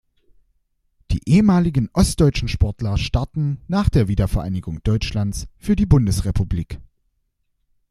Die ehemaligen ostdeutschen Sportler starten, nach der Wiedervereinigung Deutschlands, für die Bundesrepublik.